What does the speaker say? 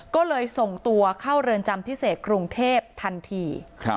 ก็เลยส่งตัวเข้าเรือนจำพิเศษกรุงเทพทันที